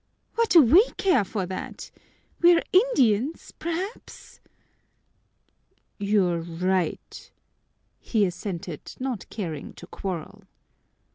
"What do we care for that? We are Indians, perhaps?" "You're right," he assented, not caring to quarrel.